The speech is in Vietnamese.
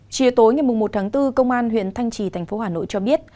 chiều tối ngày một tháng bốn công an tp hcm cho biết